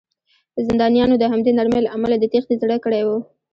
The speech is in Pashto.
زندانیانو د همدې نرمۍ له امله د تېښتې زړه کړی و